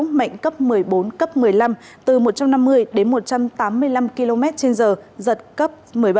mạnh cấp một mươi bốn cấp một mươi năm từ một trăm năm mươi đến một trăm tám mươi năm km trên giờ giật cấp một mươi bảy